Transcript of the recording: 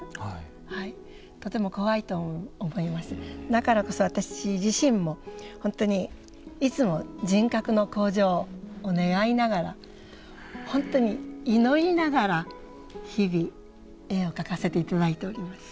だからこそ私自身も本当にいつも人格の向上を願いながら本当に祈りながら日々絵を描かせて頂いております。